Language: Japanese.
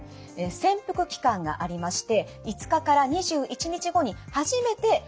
潜伏期間がありまして５日から２１日後に初めて発症します。